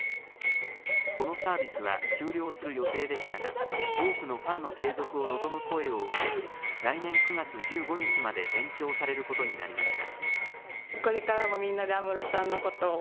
このサービスは終了する予定でしたが多くのファンの継続を望む声を受け来年９月１５日まで延長されることになりました。